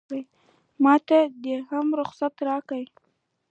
ماته دې هم رخصت راکړي.